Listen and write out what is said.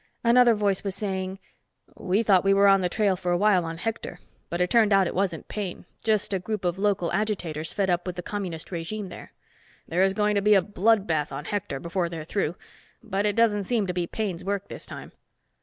Another voice was saying, "We thought we were on the trail for a while on Hector, but it turned out it wasn't Paine. Just a group of local agitators fed up with the communist regime there. There's going to be a blood bath on Hector, before they're through, but it doesn't seem to be Paine's work this time."